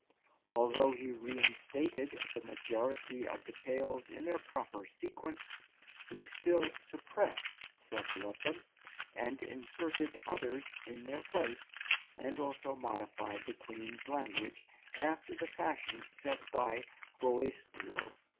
Although he reinstated the majority of the tales in their proper sequence, he still suppressed several of them, and inserted others in their place, and also modified the Queen's language after the fashion set by Boaistuau.